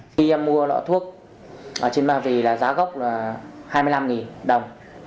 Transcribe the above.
khi em mua lọ thuốc ở trên bà về là giá gốc là hai mươi năm đồng